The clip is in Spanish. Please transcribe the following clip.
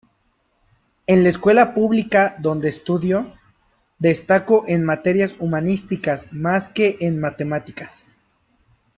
En la escuela pública donde estudió, destacó en materias humanísticas más que en matemáticas.